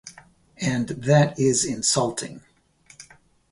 And that is insulting.